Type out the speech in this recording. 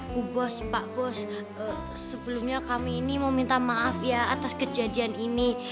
bu bos pak bos sebelumnya kami ini meminta maaf ya atas kejadian ini